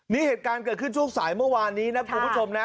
นี่เหตุการณ์เกิดขึ้นช่วงสายเมื่อวานนี้นะคุณผู้ชมนะ